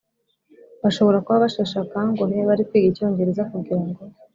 Bashobora kuba basheshe akanguhe bari kwiga icyongereza kugirango